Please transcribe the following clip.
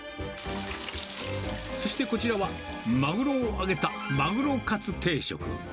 そしてこちらは、マグロを揚げたまぐろカツ定食。